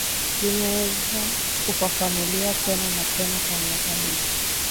zimeweza kufafanuliwa tena na tena kwa miaka mingi